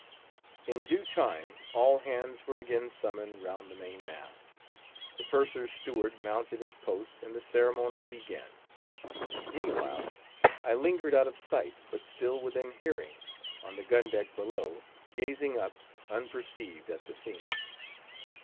In due time all hands were again summoned round the main mast; the Purser's steward mounted his post, and the ceremony began. Meantime, I lingered out of sight, but still within hearing, on the gun deck below, gazing up, un perceived, at the scene.